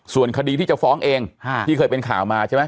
ส่วนคดีที่จะฟ้องเองที่เคยเป็นข่าวมาใช่ไหม